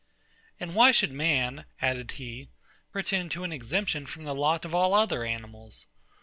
And why should man, added he, pretend to an exemption from the lot of all other animals?